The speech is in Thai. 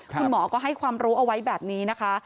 คุณหมอก็ให้ความรู้เอาไว้แบบนี้นะคะ